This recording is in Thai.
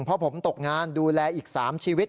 เพราะผมตกงานดูแลอีก๓ชีวิต